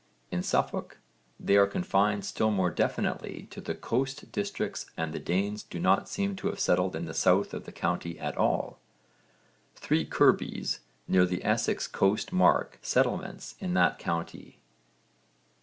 In Suffolk they are confined still more definitely to the coast districts and the Danes do not seem to have settled in the south of the county at all. Three Kirbys near the Essex coast mark settlements in that county.